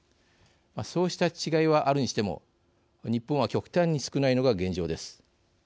そうした違いはあるにしても日本は極端に少ないのが現状です。